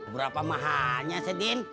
berapa mahalnya sih din